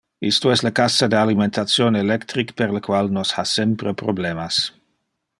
Isto es le cassa de alimentation electric per le qual nos ha sempre problemas.